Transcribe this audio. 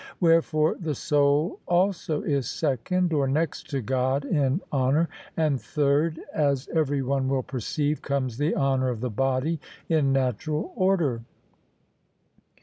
Wherefore the soul also is second (or next to God) in honour; and third, as every one will perceive, comes the honour of the body in natural order.